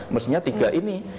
mestinya tiga ini